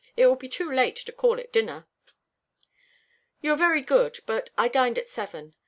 It will be too late to call it dinner." "You are very good, but I dined at seven.